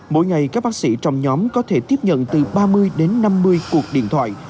mỗi ngày các bác sĩ trong nhóm có thể tiếp nhận từ ba mươi đến năm mươi cuộc điện thoại